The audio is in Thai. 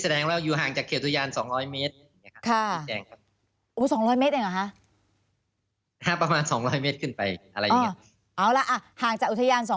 เอาล่ะห่างจากอุทยาน๒๐๐เมตรนะคะ